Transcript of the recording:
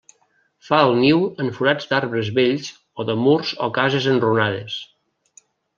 Fa el niu en forats d'arbres vells o de murs o cases enrunades.